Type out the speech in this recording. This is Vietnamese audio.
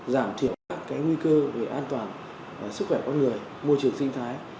giảm thiểu các nguy cơ về an toàn sức khỏe con người môi trường sinh thái